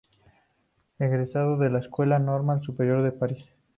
Egresado de la Escuela Normal Superior de París.